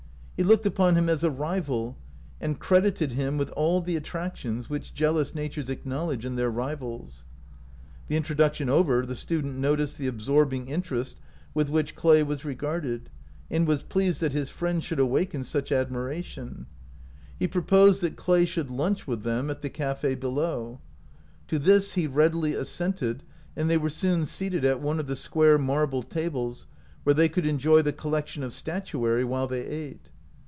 He looked upon him as a rival, and cred ited him with all the attractions which jeal ous natures acknowledge in their rivals. The introduction over, the student noticed the absorbing interest with which Clay was regarded, and was pleased that his friend should awaken such admiration. He pro 188 OUT OF BOHEMIA posed that Clay should lunch with them at the cafe below. To this he readily assented, and they were soon seated at one of the square marble tables, where they could en joy the collection of statuary while they ate.